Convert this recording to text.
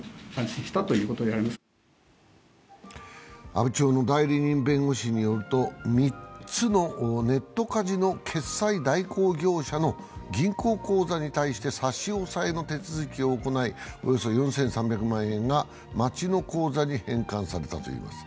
阿武町の代理人弁護士によると３つのネットカジノ決済代行業者の銀行口座に対して差し押さえの手続きを行い、およそ４３００万円が町の口座に返還されたといいます。